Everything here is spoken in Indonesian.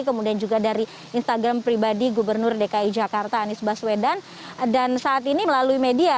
kemudian juga dari instagram pribadi gubernur dki jakarta anies baswedan dan saat ini melalui media